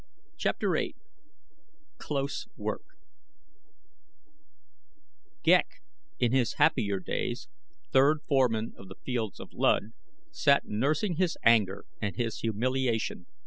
CHAPTER VIII CLOSE WORK Ghek, in his happier days third foreman of the fields of Luud, sat nursing his anger and his humiliation.